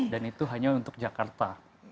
dan itu hanya untuk jakarta